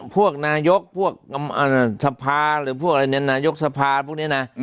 พวกนายกพวกสภาหรือพวกนายกสภาพวกนี้นะ